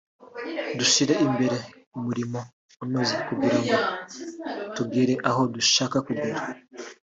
dushyire imbere umurimo unoze kugira ngo tugere aho dushaka kugera